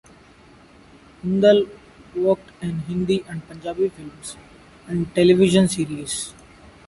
Hundal worked in Hindi and Punjabi films and television series.